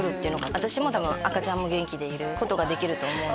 私も赤ちゃんも元気でいることができると思う。